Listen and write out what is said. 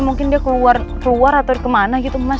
mungkin dia keluar atau kemana gitu mas